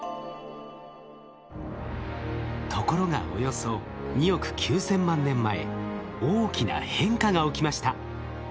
ところがおよそ２億９千万年前大きな変化が起きました。